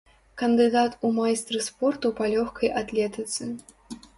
Кандыдат у майстры спорту па лёгкай атлетыцы.